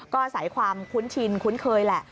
ก็ใส่ความคุ้นชินคุ้นเคยแหละ